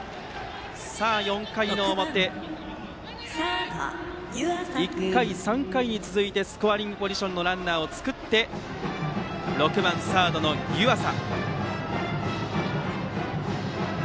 この４回の表１回、３回に続いてスコアリングポジションのランナーを作って６番サードの湯浅。